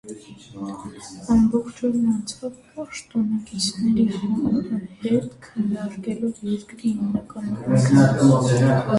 Ամբողջ օրն անցավ պաշտոնակիցների հետ քննարկելով երկրի հիմնական օրենքը։